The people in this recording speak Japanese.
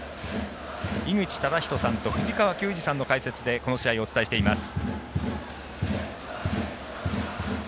井口資仁さんと藤川球児さんの解説でこの試合、お伝えしています。